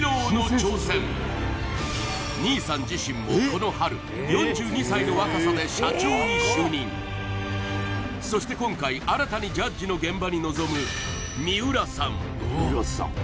新居さん自身もこの春４２歳の若さで社長に就任そして今回新たにジャッジの現場に臨む三浦さん